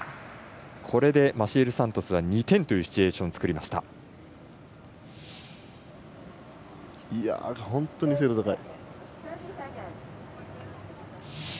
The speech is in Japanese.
これでマシエル・サントス２点というシチュエーションを本当に精度が高い。